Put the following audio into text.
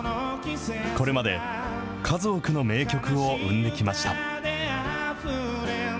これまで数多くの名曲を生んできました。